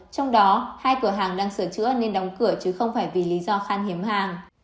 trong đó hai cửa hàng đang sửa chữa nên đóng cửa chứ không phải vì lý do khan hiếm hàng